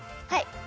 はい。